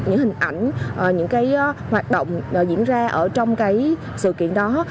những hình ảnh những hoạt động diễn ra trong sự kiện đó